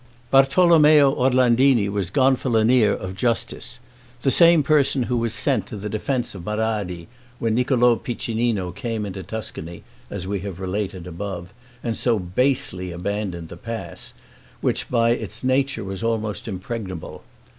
Bartolommeo Orlandini was Gonfalonier of Justice; the same person who was sent to the defense of Marradi, when Niccolo Piccinino came into Tuscany, as we have related above, and so basely abandoned the pass, which by its nature was almost impregnable.